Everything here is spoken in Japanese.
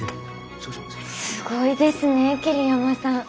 すごいですね桐山さん。